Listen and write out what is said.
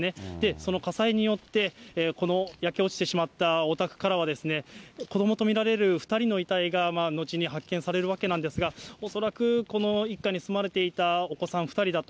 その火災によって、この焼け落ちてしまったお宅からは、子どもと見られる２人の遺体が、後に発見されるわけなんですが、恐らくこの一家に住まわれていたお子さん２人だと。